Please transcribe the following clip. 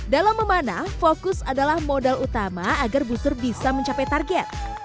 dalam memanah fokus adalah modal utama agar booster bisa mencapai target